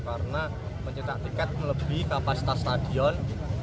karena mencetak tiket melebih kapasitas stadion